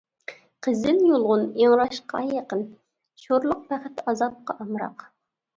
قىزىل يۇلغۇن ئىڭراشقا يېقىن، شورلۇق بەخت ئازابقا ئامراق.